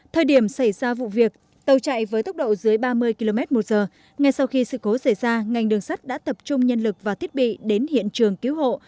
thời điểm xảy ra vụ việc tàu chạy với tốc độ dưới ba mươi km một giờ ngay sau khi sự cố xảy ra ngành đường sắt đã tập trung nhân lực và thiết bị đến hiện trường cứu hộ